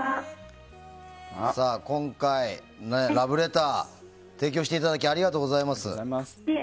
今回、ラブレターを提供していただきありがとうございます。